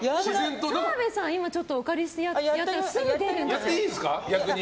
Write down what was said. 澤部さん、お借りしてやったらやっていいんですか？